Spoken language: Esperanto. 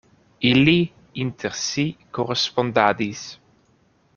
Ili inter si korespondadis.